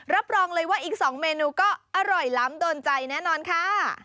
รับรองเลยว่าอีก๒เมนูก็อร่อยล้ำโดนใจแน่นอนค่ะ